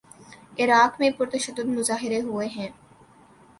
عراق میں پر تشدد مظاہرے ہوئے ہیں۔